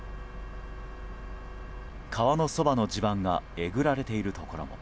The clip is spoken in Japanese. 川のそばの地盤がえぐられているところも。